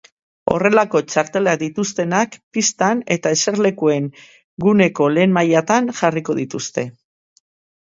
Horrelako txartelak dituztenak pistan eta eserlekuen guneko lehen mailatan jarriko dituzte.